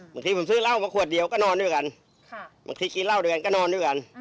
บางทีผมซื้อเหล้ามาขวดเดียวก็นอนด้วยกันบางทีกินเหล้าด้วยกันก็นอนด้วยกัน